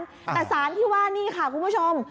แต่สารที่ว่านี่ค่ะคุณผู้ชม